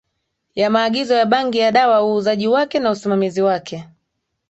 ya maagizo ya bangi ya dawa uuzaji wake na usimamizi wake